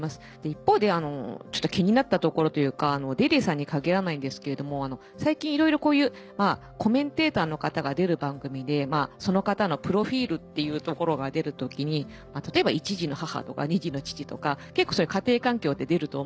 一方でちょっと気になったところというか『ＤａｙＤａｙ．』さんに限らないんですけれども最近いろいろこういうコメンテーターの方が出る番組でその方のプロフィルっていうところが出る時に例えば「一児の母」とか「二児の父」とか結構そういう家庭環境って出ると思って。